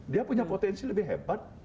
dia punya potensi lebih hebat